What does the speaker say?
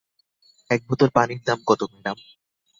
এক বোতল পানির দাম কতো, ম্যাডাম?